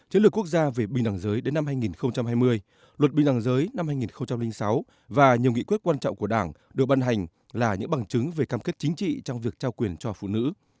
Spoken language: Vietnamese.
chiến lược quốc gia về bình đẳng giới đến năm hai nghìn hai mươi luật bình đẳng giới năm hai nghìn sáu và nhiều nghị quyết quan trọng của đảng được ban hành là những bằng chứng về cam kết chính trị trong việc trao quyền cho phụ nữ